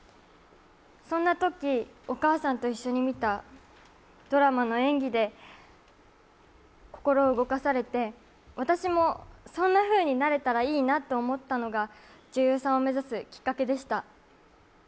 そんなとき、お母さんと一緒に見たドラマの演技で、心を動かされて私もそんなふうになれたらいいなと思ったのが女優さんを目指すきっかけでした。